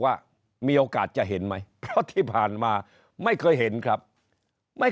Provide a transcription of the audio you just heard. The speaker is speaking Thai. ว่ามีโอกาสจะเห็นไหมเพราะที่ผ่านมาไม่เคยเห็นครับไม่